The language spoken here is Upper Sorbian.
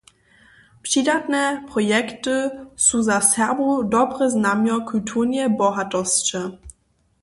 Přidatne projekty su za Serbow dobre znamjo kulturneje bohatosće.